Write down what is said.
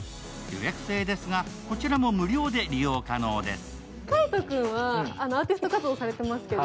予約制ですが、こちらも無料で利用可能です。